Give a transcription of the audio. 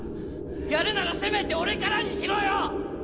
やるならせめて俺からにしろよ！